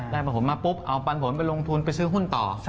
ผลมาปุ๊บเอาปันผลไปลงทุนไปซื้อหุ้นต่อ